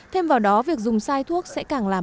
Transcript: thêm vào đó việc dùng sai thuốc sẽ cảm giác